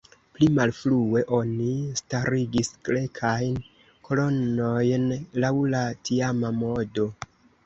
Pli malfrue, oni starigis grekajn kolonojn laŭ la tiama modo.